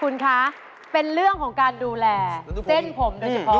คุณคะเป็นเรื่องของการดูแลเส้นผมโดยเฉพาะ